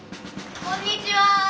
こんにちは！